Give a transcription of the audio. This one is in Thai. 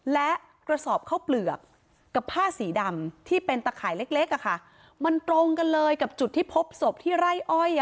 และกระสอบข้าวเปลือกกับผ้าสีดำที่เป็นตะข่ายเล็กมันตรงกันเลยกับจุดที่พบศพที่ไร่อ้อย